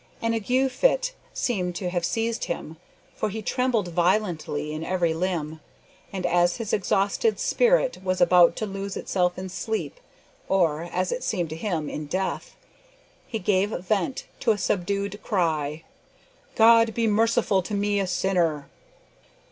An ague fit seemed to have seized him, for he trembled violently in every limb; and as his exhausted spirit was about to lose itself in sleep, or, as it seemed to him, in death, he gave vent to a subdued cry, "God be merciful to me a sinner!"